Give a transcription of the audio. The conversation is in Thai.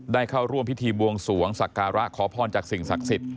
ได้เข้าร่วมพิธีบวงสวงสักการะขอพรจากสิ่งศักดิ์สิทธิ